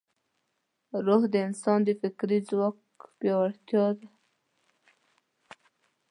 روح د انسان د فکري ځواک سرچینه ده.